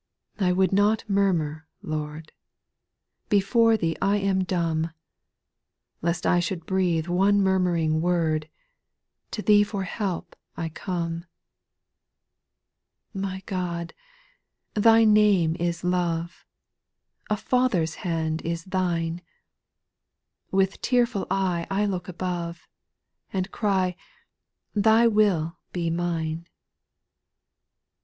I would not murmur, Lord, Before Thee I am dumb 1 — Lest I should breathe one murmuring word, To Thee for help I come. ) 8. My God 1 Thy name is love, A Father's hand is Thine ; With tearful eye I look above, And cry, Thy will be mine."